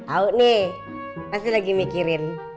tau nih pasti lagi mikirin